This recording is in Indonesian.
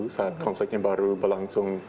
saat konfliknya baru berlangsung